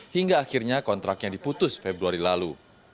hingga akhirnya kontraknya diputus februari lalu